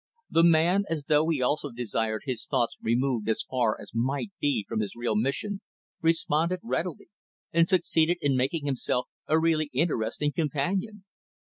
The man as though he also desired his thoughts removed as far as might be from his real mission responded readily, and succeeded in making himself a really interesting companion.